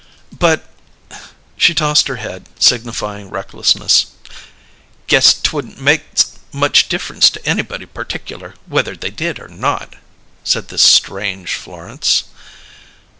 "But " She tossed her head, signifying recklessness. "Guess 'twouldn't make much difference to anybody particular, whether they did or not," said this strange Florence.